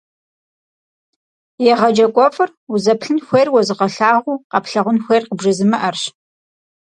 Егъэджакӏуэфӏыр – узэплъын хуейр уэзыгъэлъагъуу, къэплъагъун хуейр къыбжезымыӏэрщ.